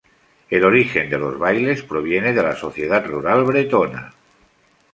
El origen de los bailes proviene de la sociedad rural bretona.